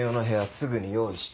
すぐに用意して。